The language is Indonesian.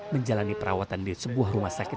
menjalani perawatan di sebuah rumah sakit